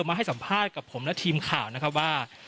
มาให้สัมภาษณ์กับผมและทีมข่าวนะครับว่า